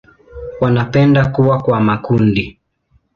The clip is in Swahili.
Wanapenda kuwa kwa makundi.